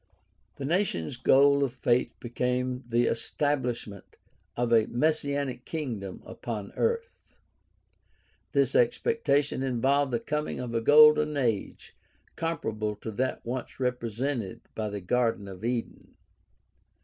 The nation's goal of faith became the establishment of a messianic kingdom upon earth. This expectation involved the coming of a golden age comparable to that once represented by the Garden of Eden.